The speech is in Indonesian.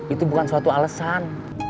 itu bukan suatu alesan